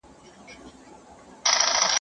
زه کولای سم کالي وچوم!؟